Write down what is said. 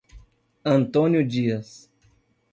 Antônio Dias